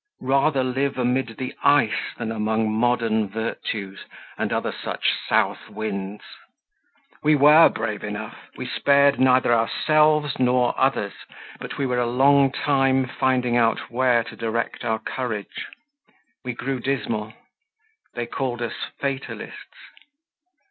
Rather live amid the ice than among modern virtues and other such south winds!... We were brave enough; we spared neither ourselves nor others; but we were a long time finding out where to direct our courage. We grew dismal; they called us fatalists.